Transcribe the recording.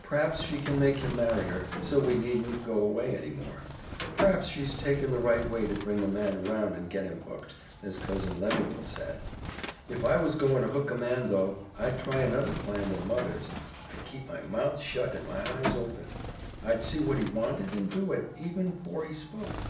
"P'raps she can make him marry her, so we needn't go away any more. P'raps she's taken the right way to bring a man around and get him hooked, as Cousin Lemuel said. If I was goin' to hook a man though, I'd try another plan than mother's. I'd keep my mouth shut and my eyes open. I'd see what he wanted and do it, even 'fore he spoke.